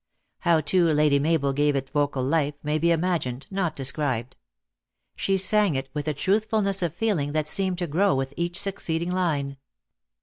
How, too, Lady Mabel gave it vocal life, may be imagined, not described. She sang it with a truthfulness of feeling that seemed to grow with each succeeding line.